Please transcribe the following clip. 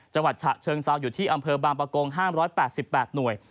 จังหวัดฉะเชิงเซาอยู่ที่อำเภอบาลปะโกง๕๘๘หน่วย